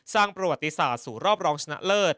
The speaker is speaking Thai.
สร้างประวัติศาสตร์สู่รอบรองชนะเลิศ